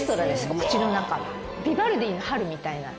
お口の中はビバルディの「春」みたいな。